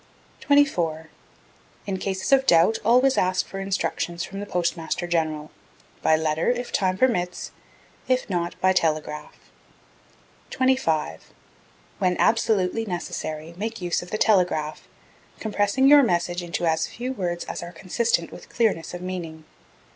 24. In cases of doubt always ask for instructions from the Postmaster General by letter, if time permits; if not, by telegraph. 25. When absolutely necessary, make use of the telegraph, compressing your message into as few words as are consistent with clearness of meaning.